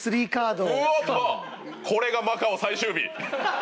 これがマカオ最終日。